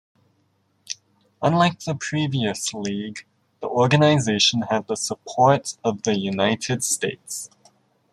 Unlike the previous League, the organization had the support of the United States.